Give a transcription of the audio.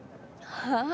はあ？